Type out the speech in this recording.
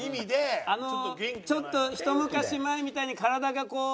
あのちょっとひと昔前みたいに体がこう。